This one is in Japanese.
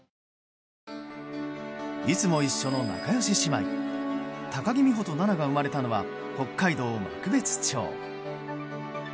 いつも一緒の仲良し姉妹高木美帆と菜那が生まれたのは北海道幕別町。